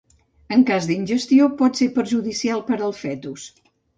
En cas d'ingestió, pot ser perjudicial per al fetus.